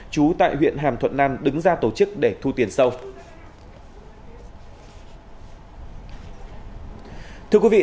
chú tại huyện hàm thuận nam đứng ra tổ chức để thu tiền sâu